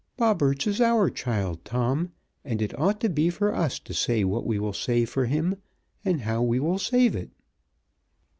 Bobberts is our child, Tom, and it ought to be for us to say what we will save for him, and how we will save it."